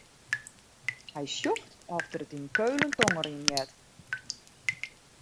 Hy sjocht oft er it yn Keulen tongerjen heart.